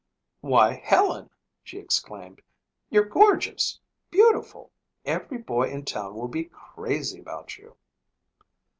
"Why, Helen," she exclaimed. "You're gorgeous beautiful. Every boy in town will be crazy about you."